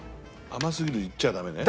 「甘すぎる」言っちゃダメね。